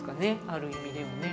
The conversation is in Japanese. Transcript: ある意味でもね。